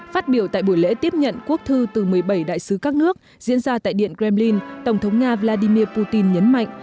phát biểu tại buổi lễ tiếp nhận quốc thư từ một mươi bảy đại sứ các nước diễn ra tại điện kremlin tổng thống nga vladimir putin nhấn mạnh